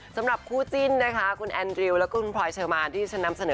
สำหรับคู่จิ้นนะคะคุณแอนดริวแล้วก็คุณพลอยเชอร์มานที่ฉันนำเสนอ